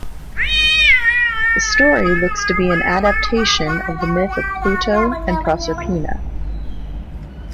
The story looks to be an adaptation of the myth of Pluto and Proserpina.